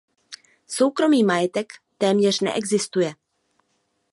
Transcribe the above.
Soukromý majetek téměř neexistuje.